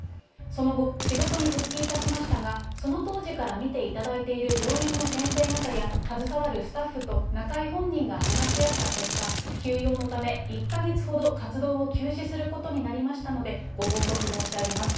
その後、仕事に復帰いたしましたが、その当時から診ていただいている病院の先生方や携わるスタッフと中居本人が話し合った結果、休養のため１か月ほど活動を休止することになりましたので、ご報告申し上げます。